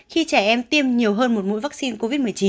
khi trẻ em tiêm nhiều hơn một mũi vaccine covid một mươi chín